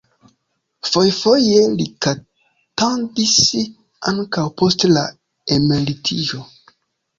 Foje-foje li kantadis ankaŭ post la emeritiĝo.